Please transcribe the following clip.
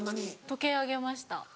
時計あげました。